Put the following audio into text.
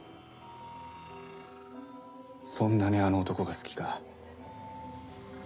そんなにあの男が好きか？